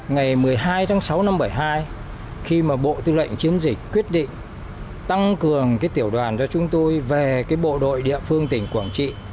ngày một mươi hai tháng sáu năm bảy mươi hai khi mà bộ tư lệnh chiến dịch quyết định tăng cường tiểu đoàn cho chúng tôi về cái bộ đội địa phương tỉnh quảng trị